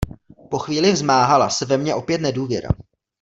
Po chvíli vzmáhala se ve mně opět nedůvěra.